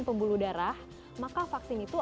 pembuluh darah maka vaksin itu